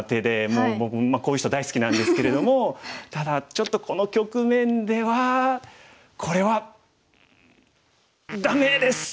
もう僕こういう人大好きなんですけれどもただちょっとこの局面ではこれはダメです！